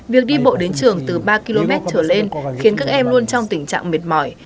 việc đi bộ đến trường từ ba km trở lên khiến các em luôn trong tình trạng mệt mỏi